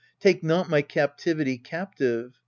Take not my captivity captive.